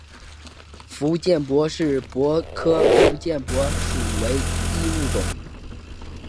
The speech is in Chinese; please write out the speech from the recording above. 福建柏是柏科福建柏属唯一物种。